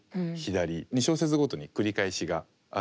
２小節ごとに繰り返しがあるんですけど。